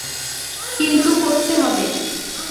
কিন্তু করতে হবে।